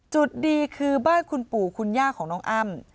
จุดดีคือบ้านคุณปู่คุณย่าของน้องอ้ำ